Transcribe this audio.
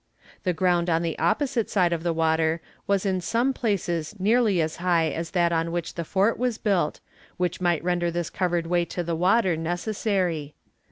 The ground on the opposite side of the water was in some places nearly as high as that on which the fort was built, which might render this covered way to the water necessary.